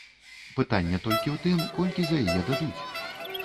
Пытанне толькі ў тым, колькі за яе дадуць.